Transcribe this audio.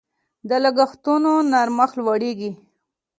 د لګښتونو نرخ لوړیږي.